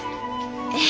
ええ。